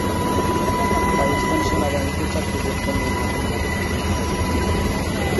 পাকিস্তান সেনাবাহিনীতে চাকরি করতেন নূর মোহাম্মদ।